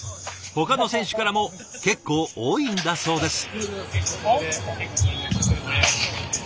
ほかの選手からも結構多いんだそうです。